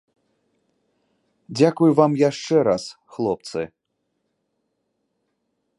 Дзякуй вам яшчэ раз, хлопцы.